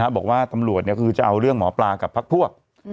บอกว่าตำรวจคือจะเอาเรื่องหมอปลากับพักพวก